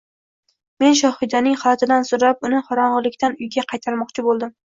Men Shohidaning xalatidan sudrab uni qorong‘ilikdan uyga qaytarmoqchi bo‘ldim